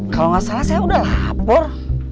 kalau nggak salah saya udah lapor